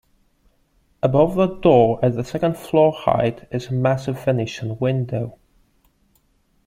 Above the door at second floor height is a massive Venetian window.